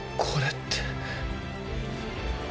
これって。